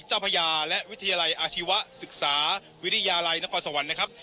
พญาและวิทยาลัยอาชีวศึกษาวิทยาลัยนครสวรรค์นะครับ